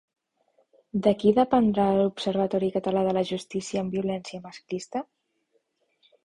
De qui dependrà l'Observatori Català de la Justícia en Violència Masclista?